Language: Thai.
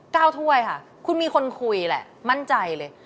ถ้วยค่ะคุณมีคนคุยแหละมั่นใจเลย